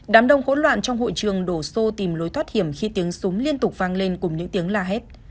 đám đông hỗn loạn trong hội trường đổ xô tìm lối thoát hiểm khi tiếng súng liên tục vang lên cùng những tiếng la hét